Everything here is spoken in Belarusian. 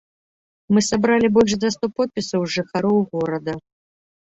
Мы сабралі больш за сто подпісаў жыхароў горада.